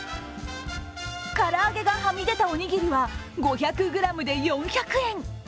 唐揚げがはみ出たおにぎりは５００ｇで４００円。